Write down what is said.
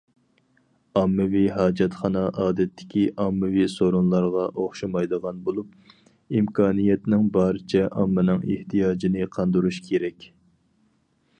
ئاممىۋى ھاجەتخانا ئادەتتىكى ئاممىۋى سورۇنلارغا ئوخشىمايدىغان بولۇپ، ئىمكانىيەتنىڭ بارىچە ئاممىنىڭ ئېھتىياجىنى قاندۇرۇش كېرەك.